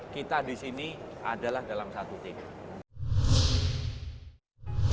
kita di sini adalah dalam satu tim